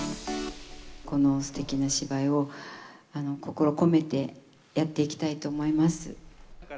このすてきな芝居を、心込めてやっていきたいと思います。